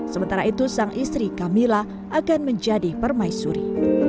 sementara itu sang istri camilla akan menjadi permaisuri